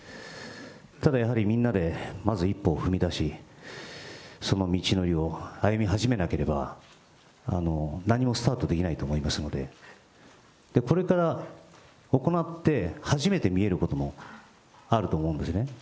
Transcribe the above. ただやはりみんなでまず一歩を踏み出し、その道のりを歩み始めなければ、何もスタートできないと思いますので、これから行って初めて見えることもあると思うんですね。